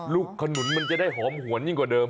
ลูกขนุนจะได้หอมห่วงขนุนก่อนเดิม